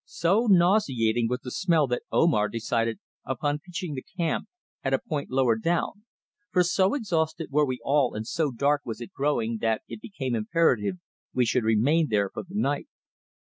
So nauseating was the smell that Omar decided upon pitching the camp at a point lower down, for so exhausted were we all and so dark was it growing that it became imperative we should remain there for the night.